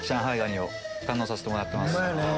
蟹を堪能させてもらってます。